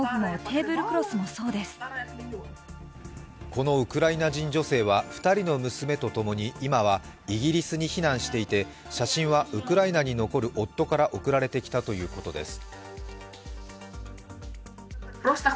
このウクライナ人女性は２人の娘とともに今はイギリスに避難していてウクライナに残る夫から送られてきたということです。